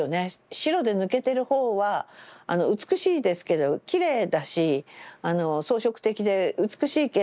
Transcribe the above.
白で抜けてるほうは美しいですけどきれいだし装飾的で美しいけれど少し弱い。